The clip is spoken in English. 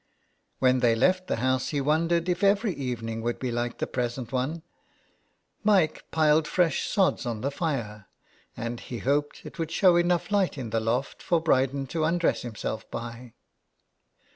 When they left the house he wondered if every evening would be like the present one. Mike piled fresh sods on the fire, and he hoped it would show enough light in the loft for Bryden to undress himself by.